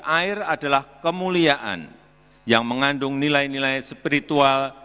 air adalah kemuliaan yang mengandung nilai nilai spiritual